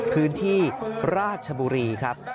พื้นที่ราชบุรีครับ